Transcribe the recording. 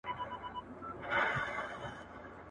که خلګ رايه ورنکړي حکومتونه نه جوړيږي.